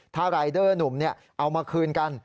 ถ้ารายเดอร์หนุ่มเอามาคืนกัน